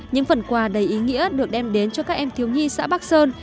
những phần quà đầy ý nghĩa được đem đến cho các em thiếu nhi xã bắc sơn